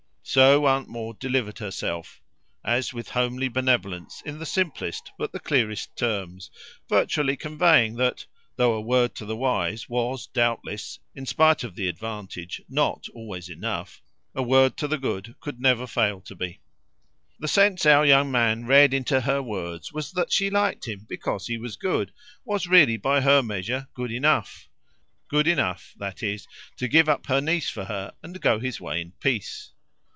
So Aunt Maud delivered herself as with homely benevolence, in the simplest but the clearest terms; virtually conveying that, though a word to the wise was doubtless, in spite of the adage, NOT always enough, a word to the good could never fail to be. The sense our young man read into her words was that she liked him because he was good was really by her measure good enough: good enough that is to give up her niece for her and go his way in peace.